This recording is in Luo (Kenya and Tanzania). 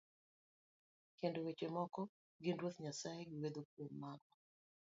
Kendo weche moko gin Ruoth Nyasaye gwedhe kuom mago.